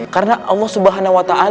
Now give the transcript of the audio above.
karena allah swt